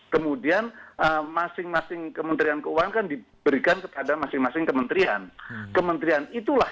kemudian masing masing kementerian keuangan kan diberikan kepada masing masing kementerian itulah